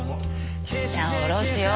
じゃ下ろすよ。